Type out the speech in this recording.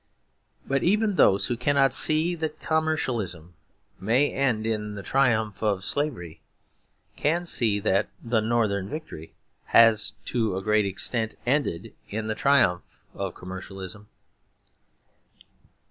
But even those who cannot see that commercialism may end in the triumph of slavery can see that the Northern victory has to a great extent ended in the triumph of commercialism.